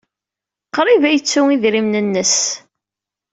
Qrib ay yettu idrimen-nnes.